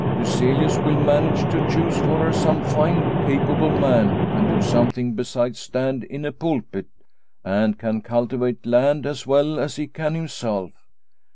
Lyselius will manage to choose for her some fine, capable man who can do something besides stand in a pulpit, and can cultivate land as well as he can himself.